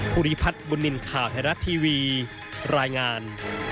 ภูริพัฒน์บุญนินทร์ข่าวไทยรัฐทีวีรายงาน